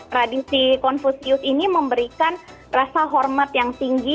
tradisi konfusius ini memberikan rasa hormat yang tinggi